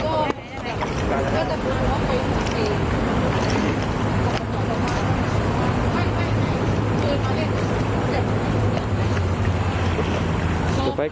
ก็จะเป็นว่าไปต่อไป